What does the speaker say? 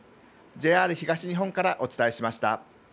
ＪＲ東日本からお伝えしました。